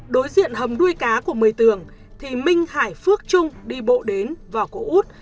đối diện hầm nuôi cá của mười tường thì minh hải phước trung đi bộ đến vỏ của út